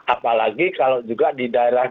apalagi kalau juga di daerah